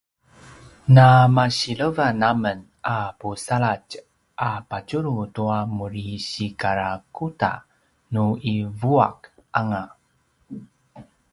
na masilevan amen a pusaladj a padjulu tua muri sikarakuda nu i vuaq anga